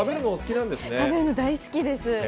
食べるの大好きです。